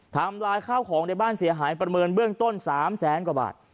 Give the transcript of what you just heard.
ทำลายข้าวของในบ้านเสียหายประเมินเบื้องต้น๓แสนกว่าบาท